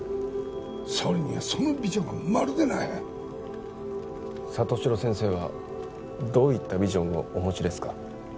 総理にはそのビジョンがまるでない里城先生はどういったビジョンをお持ちですか？